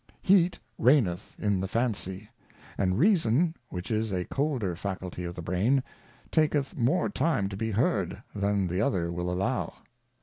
Heat reigneth in the Fancy ; and Reason, which is a colder Faculty of the Brain, taketh more time to be heard, than the other will allow.